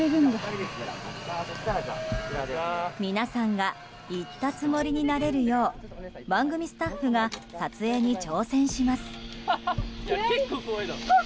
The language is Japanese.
皆さんが行ったつもりになれるよう番組スタッフが撮影に挑戦します。